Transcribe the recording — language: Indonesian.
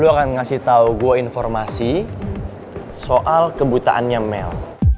dia akan ngasih tau gua informasi soal kebutaannya mel